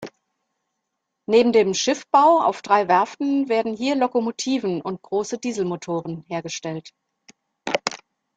Neben dem Schiffbau auf drei Werften werden hier Lokomotiven und große Dieselmotoren hergestellt.